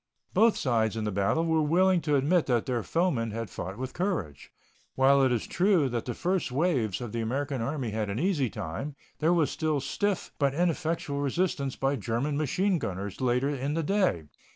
Both sides in the battle were willing to admit that their foemen had fought with courage. While it is true that the first waves of the American Army had an easy time, there was stiff but ineffectual resistance by German machine gunners later in the day.